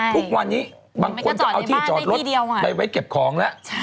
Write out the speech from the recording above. ทุกวันนี้บางคนก็เอาที่จอดรถไปไว้เก็บของแล้ว